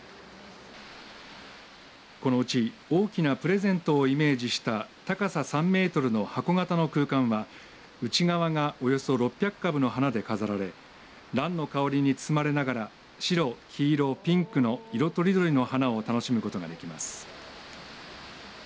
このうち大きなプレゼントをイメージした高さ３メートルの箱形の空間は内側がおよそ６００株の花で飾られらんの花に包まれながら白、黄色、ピンクの色とりどりの花を楽しむことができます。